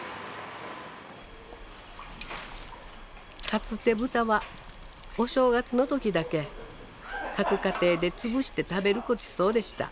かつて豚はお正月の時だけ各家庭でつぶして食べるごちそうでした。